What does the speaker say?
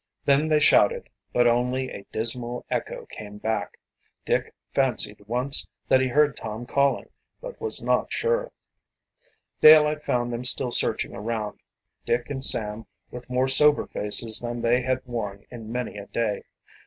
Then they shouted, but only a dismal echo came back. Dick fancied once that he heard Tom calling, but was not sure. Daylight found them still searching around, Dick and Sam with more sober faces than they had worn in many a day.